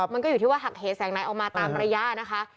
มันก็อยู่ที่ว่าหักเหแสงไหนออกมาตามระยะนะคะ